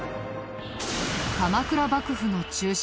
鎌倉幕府の中心